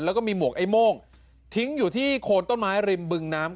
แล้วก็มีหมวกไอ้โม่งทิ้งอยู่ที่โคนต้นไม้ริมบึงน้ำ